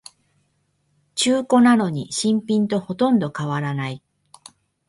中古なのに新品とほとんど変わらない